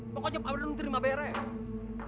pokoknya pak badrun terima beres